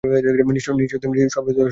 নিশ্চয়ই তিনি সর্বশ্রোতা, সর্বজ্ঞ।